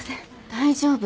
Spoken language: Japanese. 大丈夫。